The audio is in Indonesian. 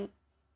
pada saat itu